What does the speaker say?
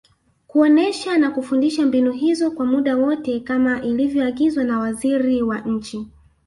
kuonesha na kufundisha mbinu hizo kwa muda wote kama ilivyoagizwa na Waziri wa Nchi